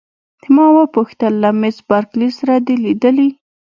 ما وپوښتل: له مس بارکلي سره دي لیدلي؟